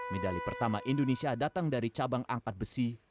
medali pertama indonesia datang dari cabang angkat besi